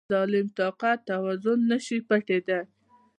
د نړی ظالم طاقت توازن نشي پټیدای.